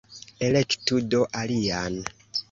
Elektu do alian!